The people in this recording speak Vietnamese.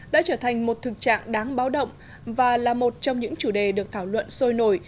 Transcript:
đã trở thành một thực trạng đáng báo động và là một trong những chủ đề được thảo luận sôi nổi